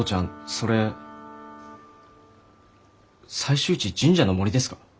それ採集地神社の森ですか？